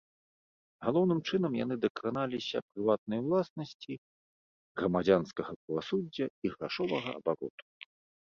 Галоўным чынам яны дакраналіся прыватнай уласнасці, грамадзянскага правасуддзя і грашовага абароту.